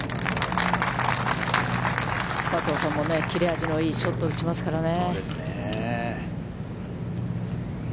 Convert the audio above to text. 佐藤さんも切れ味のいいショットを打ちますからね。